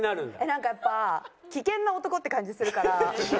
なんかやっぱ危険な男って感じするから。